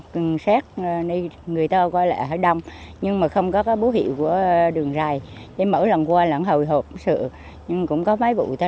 cần xét người ta coi là hơi đông nhưng mà không có bố hiệu của đường dài mỗi lần qua là hồi hộp